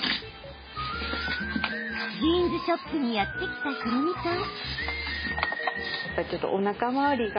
ジーンズショップにやって来たひろみさん。